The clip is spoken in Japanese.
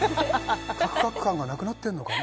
カクカク感がなくなってんのかね